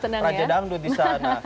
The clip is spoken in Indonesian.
ada raja dangdut disana